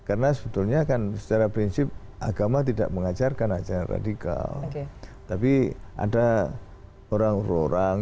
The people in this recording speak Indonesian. hai karena sebetulnya akan secara prinsip agama tidak mengajarkan ajar radikal tapi ada orang orang